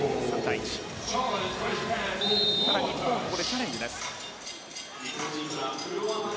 日本、ここでチャレンジです。